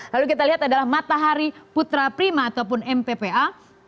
lalu kita lihat adalah matahari putra prima ataupun mppa